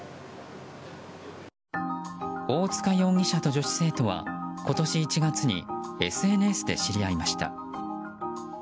大塚容疑者と女子生徒は今年１月にＳＮＳで知り合いました。